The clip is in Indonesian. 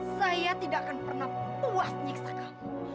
saya tidak akan pernah puas nyiksa kamu